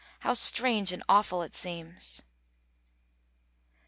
How strange and awful it seems.